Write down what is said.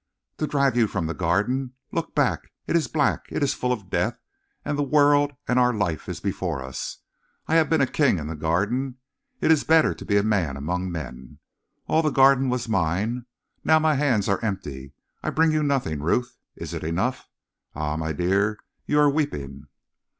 "To drive you from the Garden? Look back. It is black. It is full of death, and the world and our life is before us. I have been a king in the Garden. It is better to be a man among men. All the Garden was mine. Now my hands are empty. I bring you nothing, Ruth. Is it enough? Ah, my dear, you are weeping!"